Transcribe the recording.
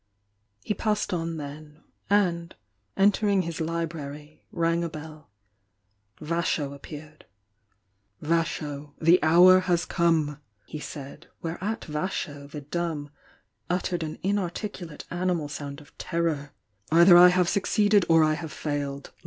He passed on then, and, entering his library, rang a bell. Vasho appeared. "Vasho, the hour has come!" he said, whereat Vasho, the dumb, uttered an inarticulate animal sound of terror. "Either I have succeeded, or I have failed.